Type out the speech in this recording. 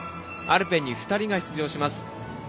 アルペンに２人が出場します。